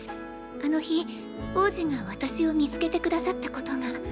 あの日王子が私を見つけて下さったことが。